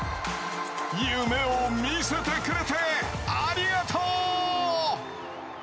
夢を見せてくれてありがとう！